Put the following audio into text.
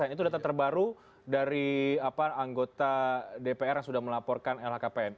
itu data terbaru dari anggota dpr yang sudah melaporkan lhkpn